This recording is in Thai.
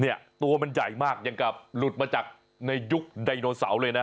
ตัวมันใหญ่มากอย่างกับหลุดมาจากในยุคไดโนเสาร์เลยนะ